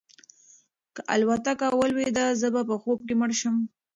که الوتکه ولویده زه به په خوب کې مړ شم.